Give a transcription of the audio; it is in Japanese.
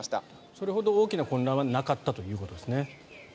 それほど大きな混乱はなかったということですね。